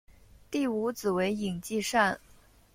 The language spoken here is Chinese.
第五子为尹继善。